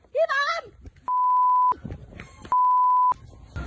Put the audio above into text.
พี่ปำ